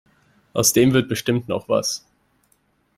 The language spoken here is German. Aus dem wird bestimmt noch was.